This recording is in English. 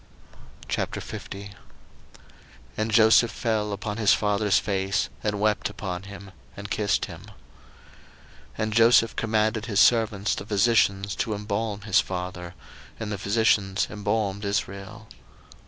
01:050:001 And Joseph fell upon his father's face, and wept upon him, and kissed him. 01:050:002 And Joseph commanded his servants the physicians to embalm his father: and the physicians embalmed Israel.